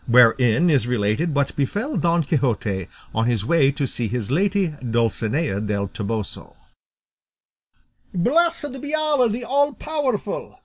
WHEREIN IS RELATED WHAT BEFELL DON QUIXOTE ON HIS WAY TO SEE HIS LADY DULCINEA DEL TOBOSO "Blessed be Allah the all powerful!"